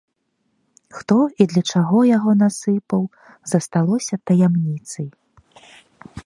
Хто і для чаго яго насыпаў, засталося таямніцай.